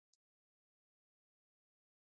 ځغاسته د ټول بدن عضلې ښوروي